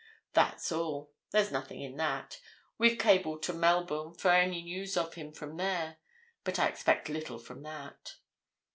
That's all. There's nothing in that. We've cabled to Melbourne for any news of him from there. But I expect little from that."